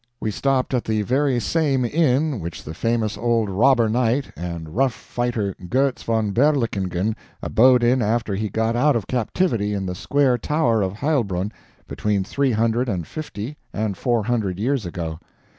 We stopped at the very same inn which the famous old robber knight and rough fighter Goetz von Berlichingen, abode in after he got out of captivity in the Square Tower of Heilbronn between three hundred and fifty and four hundred years ago.